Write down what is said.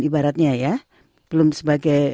ibaratnya ya belum sebagai